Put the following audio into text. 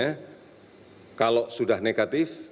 karena kalau sudah negatif